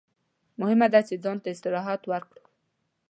مهمه ده چې ځان ته استراحت ورکړئ.